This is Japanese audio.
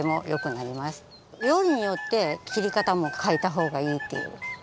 料理によって切り方もかえたほうがいいっていう。